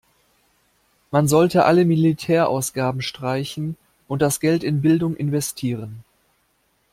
Man sollte alle Militärausgaben streichen und das Geld in Bildung investieren.